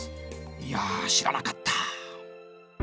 いや知らなかった。